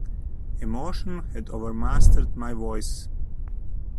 Emotion had overmastered my voice.